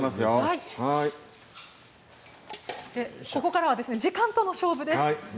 ここからは時間との勝負です。